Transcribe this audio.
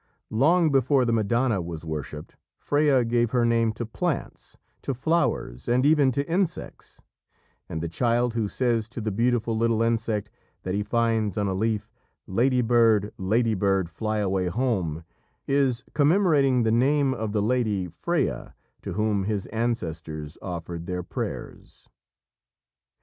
Long before the Madonna was worshipped, Freya gave her name to plants, to flowers, and even to insects, and the child who says to the beautiful little insect, that he finds on a leaf, "Ladybird, ladybird, fly away home," is commemorating the name of the Lady, Freya, to whom his ancestors offered their prayers.